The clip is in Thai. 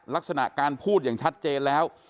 ลักษณะการพูดอย่างชัดเจนแล้ว